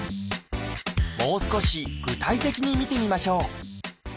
もう少し具体的に見てみましょう。